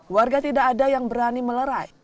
warga tidak ada yang berani melerai